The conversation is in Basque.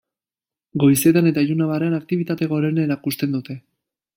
Goizetan eta ilunabarrean aktibitate gorena erakusten dute.